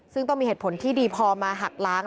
ซึ่งต้องมีเหตุผลที่ดีพอมาหักล้าง